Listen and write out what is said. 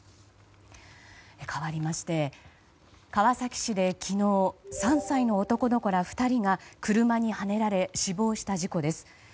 かわりまして川崎市で昨日、３歳の男の子ら２人が車にはねられ死亡した事故です。